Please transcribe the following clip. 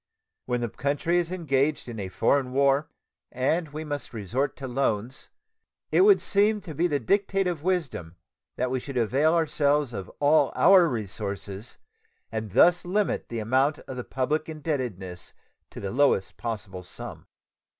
When the country is engaged in a foreign war, and we must necessarily resort to loans, it would seem to be the dictate of wisdom that we should avail ourselves of all our resources and thus limit the amount of the public indebtedness to the lowest possible sum.